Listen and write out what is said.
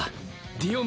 ディオム